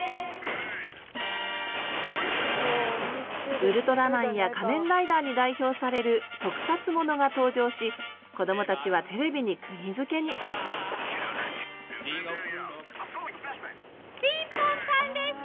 「ウルトラマン」や「仮面ライダー」に代表される特撮物が登場しこどもたちはテレビにくぎづけに「ピンポンパン」ですよ！